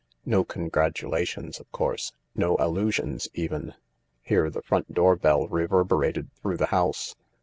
No congratulations, of course — no allusions even." Here the front door bell reverberated through the house.